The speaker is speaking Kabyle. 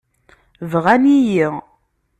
Bɣan-iyi.